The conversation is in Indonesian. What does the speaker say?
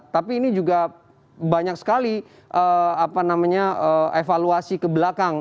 tapi ini juga banyak sekali evaluasi ke belakang